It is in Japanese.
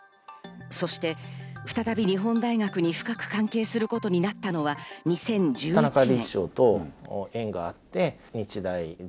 そして再び日本大学に深く関係することになったのは２０１１年。